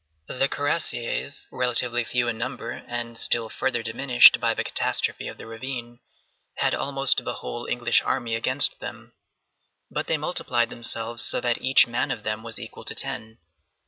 The cuirassiers, relatively few in number, and still further diminished by the catastrophe of the ravine, had almost the whole English army against them, but they multiplied themselves so that each man of them was equal to ten.